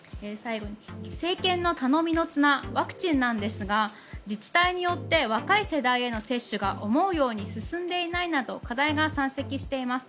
政権の頼みの綱ワクチンなんですが自治体によって若い世代への接種が思うように進んでいないなど課題が山積しています。